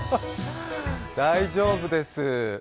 大丈夫です。